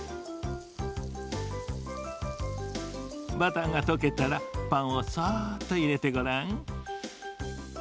バターがとけたらパンをそっといれてごらん。